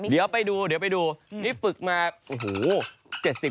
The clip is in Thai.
เดี๋ยวไปดูนี่ฝึกมา๗๐กว่าปี